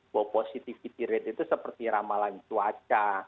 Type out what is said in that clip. bahwa positivity rate itu seperti ramalan cuaca